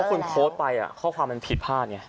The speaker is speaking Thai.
คุณโพสต์ไปข้อความมันผิดพลาดไง